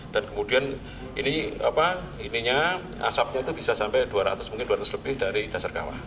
kemudian ini asapnya itu bisa sampai dua ratus mungkin dua ratus lebih dari dasar kawah